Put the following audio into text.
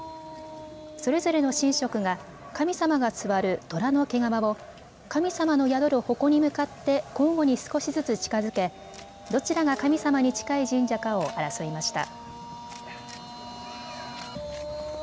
それぞれの神職が神様が座る虎の毛皮を神様の宿る矛に向かって交互に少しずつ近づけ、どちらが神様に近い神社かを争いました。